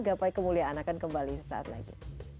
gapai kemuliaan akan kembali sesaat lagi